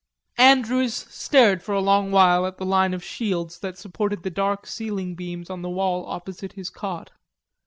Andrews stared for a long while at the line of shields that supported the dark ceiling beams on the wall opposite his cot.